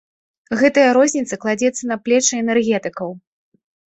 Гэтая розніца кладзецца на плечы энергетыкаў.